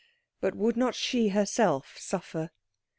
But would not she herself suffer?